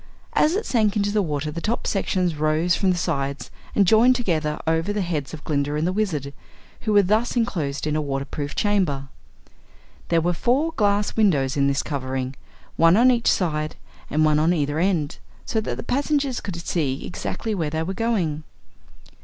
As it sank into the water the top sections rose from the sides and joined together over the heads of Glinda and the Wizard, who were thus enclosed in a water proof chamber. There were four glass windows in this covering, one on each side and one on either end, so that the passengers could see exactly where they were going.